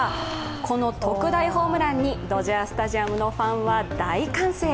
この特大ホームランに、ドジャースタジアムのファンは大歓声。